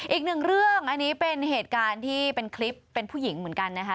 อีกหนึ่งเรื่องอันนี้เป็นเหตุการณ์ที่เป็นคลิปเป็นผู้หญิงเหมือนกันนะคะ